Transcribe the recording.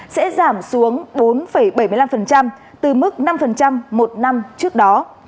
sẽ giảm xuống bốn bảy mươi năm từ mức năm một tháng